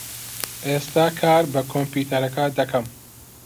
ئێستا کار بە کۆمپیوتەرەکە دەکەم.